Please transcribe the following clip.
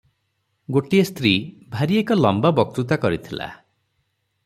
ଗୋଟିଏ ସ୍ତ୍ରୀ ଭାରି ଏକ ଲମ୍ବା ବକ୍ତୃତା କରିଥିଲା ।